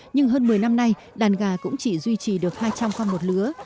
nhưng hơn một mươi năm nay đàn gà cũng chỉ duy trì được hai trăm linh con một lứa